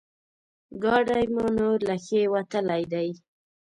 ګاډی مو نور له ښې وتلی دی.